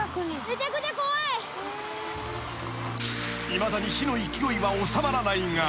［いまだに火の勢いは収まらないが］